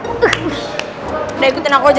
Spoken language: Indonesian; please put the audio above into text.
udah ikutin aku aja